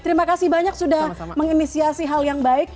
terima kasih banyak sudah menginisiasi hal yang baik